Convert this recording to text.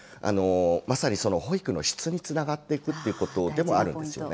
まさに保育の質につながっていくってことでもあるんですよね。